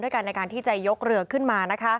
โดยการยกเรือขึ้นมา